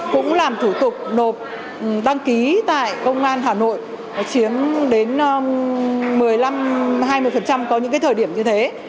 cũng làm thủ tục nộp đăng ký tại công an hà nội chiếm đến một mươi năm hai mươi có những thời điểm như thế